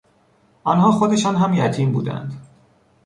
آنها خودشان هم یتیم بودند.